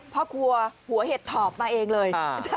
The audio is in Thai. พ่อครัวหัวเห็ดถอบมาเองเลย